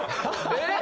えっ！？